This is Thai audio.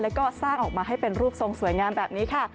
แล้วก็สร้างออกมาให้เป็นรูปทรงสวยงามแบบนี้ค่ะ